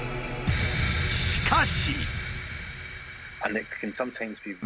しかし。